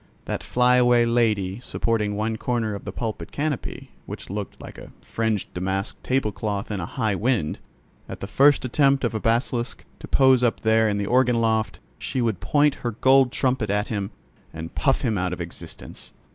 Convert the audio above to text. That flyaway lady supporting one corner of the pulpit canopy, which looked like a fringed damask table cloth in a high wind, at the first attempt of a basilisk to pose up there in the organ loft, she would point her gold trumpet at him, and puff him out of existence!